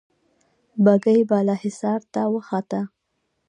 بګۍ بالا حصار ته وخته.